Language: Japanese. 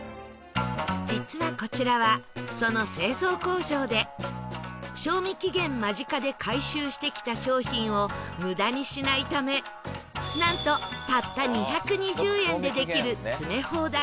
実はこちらはその製造工場で賞味期限間近で回収してきた商品を無駄にしないためなんとたった２２０円でできる詰め放題を毎日開催